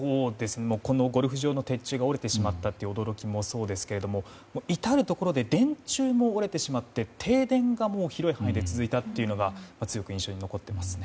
このゴルフ場の鉄柱が折れてしまった驚きもそうですけど至るところで電柱も折れてしまって停電が広い範囲で続いたのが強く印象に残っています。